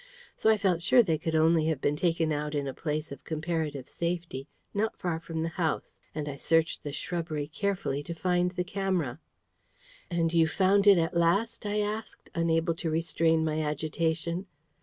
So I felt sure they could only have been taken out in a place of comparative safety, not far from the house; and I searched the shrubbery carefully, to find the camera." "And you found it at last?" I asked, unable to restrain my agitation.